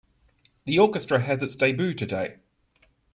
The orchestra has its debut today.